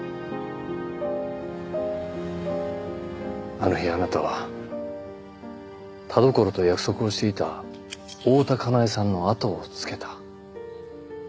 あの日あなたは田所と約束をしていた大多香苗さんのあとをつけた。